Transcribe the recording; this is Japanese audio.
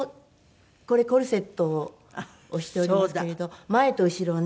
これコルセットをしておりますけれど前と後ろをね